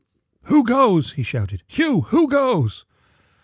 "Who goes?" he shouted. "Hugh, who goes?"